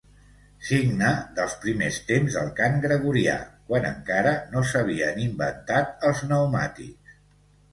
Signe dels primers temps del cant gregorià, quan encara no s'havien inventat els pneumàtics.